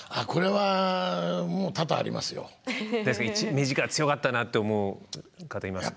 目力強かったなって思う方いますか？